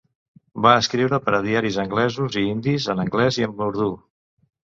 Va escriure per a diaris anglesos i indis, en anglès i en urdú.